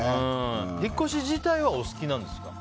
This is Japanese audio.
引っ越し自体はお好きなんですか？